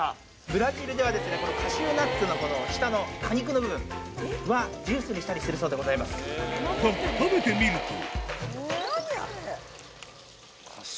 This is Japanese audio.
ブラジルではですね、この、カシューナッツの下の果肉の部分は、ジュースにしたりするが、食べてみると。